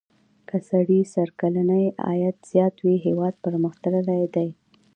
که سړي سر کلنی عاید زیات وي هېواد پرمختللی دی.